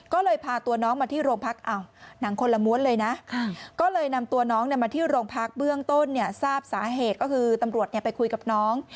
ก็เลยพาตัวน้องมาที่โรงพักษณ์เบื้องต้นทราบสาเหตุก็คือตำรวจไปคุยกับน้อง